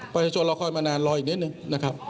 ประเทศชนเราค่อยมานาน๑๐๐อีกนิดนึงนะครับ